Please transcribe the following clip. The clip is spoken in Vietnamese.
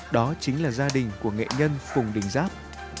đó chính là gia đình của nghệ nhân phùng đình giáp